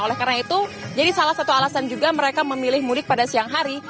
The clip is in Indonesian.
oleh karena itu jadi salah satu alasan juga mereka memilih mudik pada siang hari